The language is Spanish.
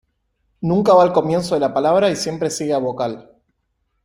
Nunca va al comienzo de la palabra y siempre sigue a vocal.